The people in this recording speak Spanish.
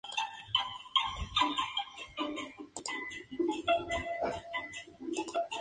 En la película su personaje está interpretado por la actriz Sally Field.